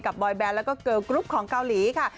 กับบอยแบนด์และก็เกิร์ลกรุ๊ปของเกาหลีค่ะ